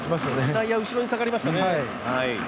内野、後ろに下がりましたね。